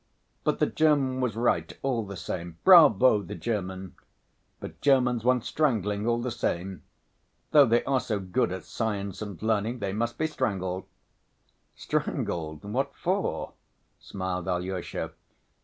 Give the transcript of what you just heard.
But the German was right all the same. Bravo the German! But Germans want strangling all the same. Though they are so good at science and learning they must be strangled." "Strangled, what for?" smiled Alyosha.